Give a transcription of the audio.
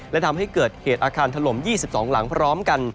และทำให้เกิดเหตุอาคารถล่ม๒๒หลังพร้อมกัน